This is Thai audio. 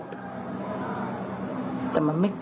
มันตื่นแล้วเนี่ยมันก็